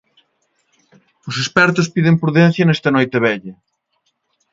Os expertos piden prudencia nesta Noitevella.